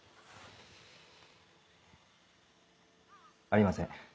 ありません。